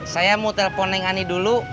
saya mau telfon neng ani dulu